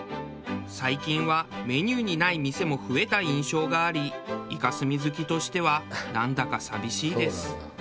最近はメニューにない店も増えた印象がありイカスミ好きとしてはなんだか寂しいです。